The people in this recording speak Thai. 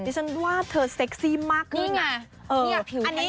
ฉันว่าเธอเซ็กซี่มากขึ้นไง